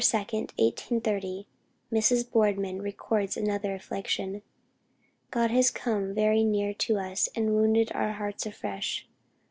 2, 1830, Mrs. Boardman records another affliction. "God has come very near to us and wounded our hearts afresh.